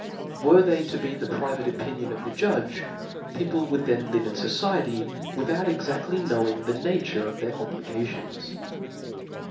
Were they to be the private opinion of the judge, peo ple would then live in fociety, without exadly knowingthe nature of their obligations.